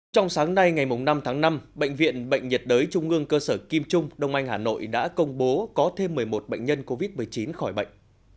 trong sáng nay ngày năm tháng năm bệnh viện bệnh nhiệt đới trung ương cơ sở kim trung đông anh hà nội đã công bố có thêm một mươi một bệnh nhân covid một mươi chín khỏi bệnh